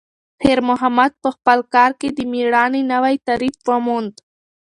خیر محمد په خپل کار کې د میړانې نوی تعریف وموند.